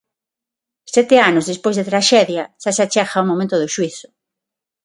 Sete anos despois da traxedia, xa se achega o momento do xuízo.